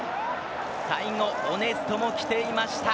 最後、オネストも来ていました。